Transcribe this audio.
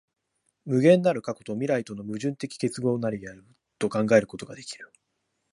無限なる過去と未来との矛盾的結合より成ると考えることができる。